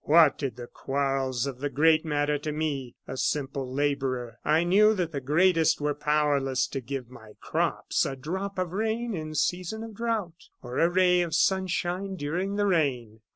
"What did the quarrels of the great matter to me a simple laborer? I knew that the greatest were powerless to give my crops a drop of rain in season of drought, or a ray of sunshine during the rain.